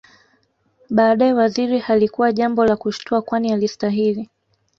Baadae Waziri halikuwa jambo la kushtua kwani alistahili